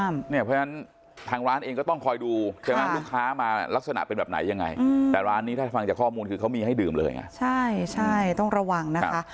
ไม่ง่ะเห็นไหมใช่เขาห้าม